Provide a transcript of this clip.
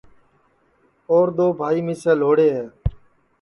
اور دؔؔوبھائی مِسے لھوڑے ہے